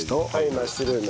マッシュルーム。